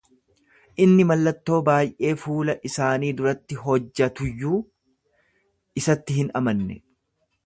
Inni mallattoo baay’ee fuula isaanii duratti hojjatuyyuu isatti hin amanne.